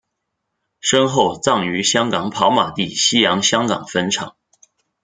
身后葬于香港跑马地西洋香港坟场。